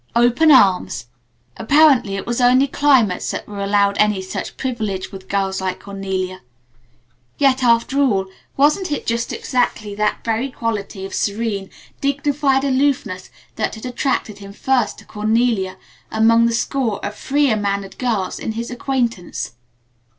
'Open arms'! Apparently it was only 'climates' that were allowed any such privileges with girls like Cornelia. Yet, after all, wasn't it just exactly that very quality of serene, dignified aloofness that had attracted him first to Cornelia among the score of freer mannered girls of his acquaintance?"